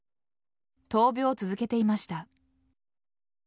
闘病を続けていました。